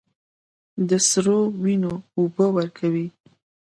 د سرو، وینو اوبه ورکوي